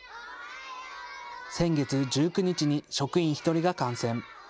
先月１９日に職員１人が感染。